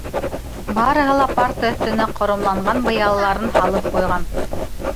Барыһы ла парта өҫтөнә ҡоромланған быялаларын һалып ҡуйған.